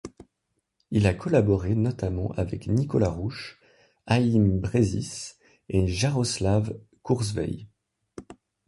Il a collaboré notamment avec Nicolas Rouche, Haïm Brezis et Jaroslav Kurzweil.